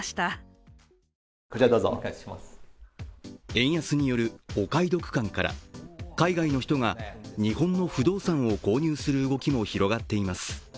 円安によるお買い得感から海外の人が日本の不動産を購入する動きも広がっています